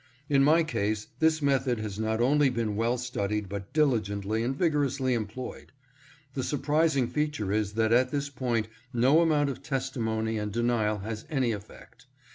In my case this method has not only been well studied but diligently and vigorously employed. The surpris ing feature is that at this point no amount of testimony and denial has any effect.